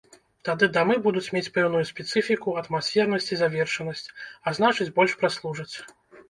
Тады дамы будуць мець пэўную спецыфіку, атмасфернасць і завершанасць, а значыць больш праслужаць.